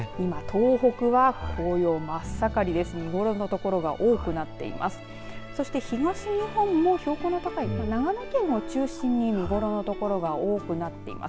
今、東北は紅葉真っ盛りですので見頃の所が多くなっています。